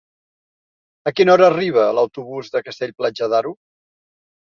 A quina hora arriba l'autobús de Castell-Platja d'Aro?